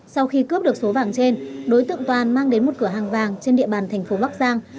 sau khi cướp được số vàng trên đối tượng toàn mang đến một cửa hàng vàng trên địa bàn thành phố bắc giang